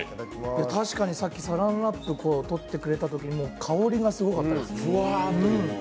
確かにさっきサランラップ取ってくれたとき香りがすごかったです。